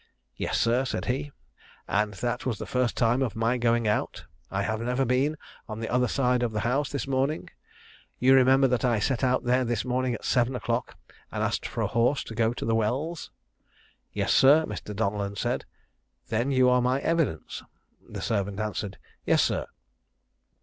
"Yes, sir," said he. "And that was the first time of my going out; I have never been on the other side of the house this morning: you remember that I set out there this morning at seven o'clock, and asked for a horse to go to the wells?" "Yes, sir." Mr. Donellan said, "then you are my evidence." The servant answered, "Yes, sir."